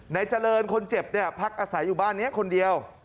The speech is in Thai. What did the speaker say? ในเจริญคนเจ็บเนี่ยพักอาศัยอยู่บ้านนี้คนเดียว